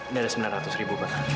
ini ada sembilan ratus ribu bahkan